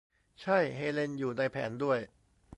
ใช่ เฮเลนอยู่ในแผนด้วย